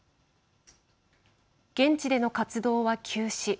現地での活動は休止。